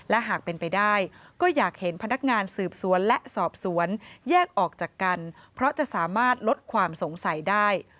และหากเป็นไปได้ก็อยากเห็นพนักงานสืบสวนและสอบสวนแยกออกจากกันเพราะจะสามารถลดความสงสัยได้